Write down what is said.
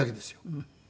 うん。